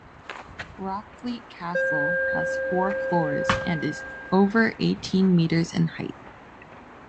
Rockfleet Castle has four floors and is over eighteen metres in height.